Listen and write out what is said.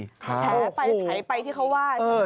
แฉไปแถไปที่เขาว่าใช่ไหม